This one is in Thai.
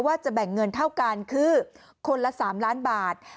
ว่าจะแบ่งเงินเท่ากันคือคนละ๓ล้านบาท